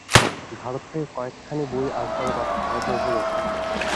ভারত থেকে কয়েকখানি বই আসবার কথা, হয়তো এসে গেছে।